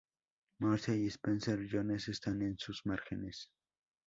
Morse y Spencer Jones están en sus márgenes.